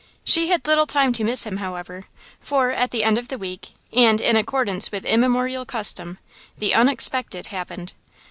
She had little time to miss him, however, for, at the end of the week, and in accordance with immemorial custom, the Unexpected happened.